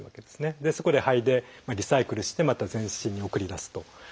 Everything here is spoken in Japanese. でそこで肺でリサイクルしてまた全身に送り出すと。